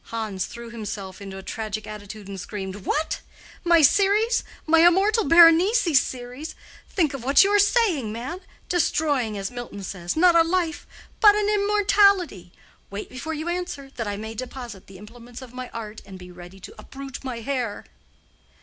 Hans threw himself into a tragic attitude, and screamed, "What! my series—my immortal Berenice series? Think of what you are saying, man—destroying, as Milton says, not a life but an immortality. Wait before you answer, that I may deposit the implements of my art and be ready to uproot my hair."